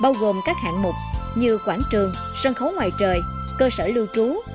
bao gồm các hạng mục như quảng trường sân khấu ngoài trời cơ sở lưu trú